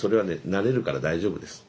慣れるから大丈夫です。